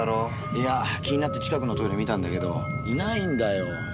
いや気になって近くのトイレ見たんだけどいないんだよ。